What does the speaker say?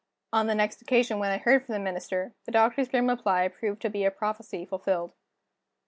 On the next occasion when I heard from the Minister, the Doctor's grim reply proved to be a prophecy fulfilled.